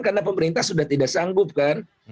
karena pemerintah sudah tidak sanggup kan